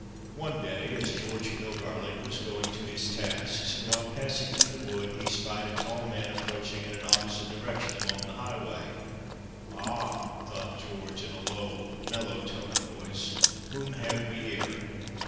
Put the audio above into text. One day as George Pillgarlic was going to his tasks, and while passing through the wood, he spied a tall man approaching in an opposite direction along the highway. "Ah!" thought George, in a low, mellow tone of voice, "whom have we here?"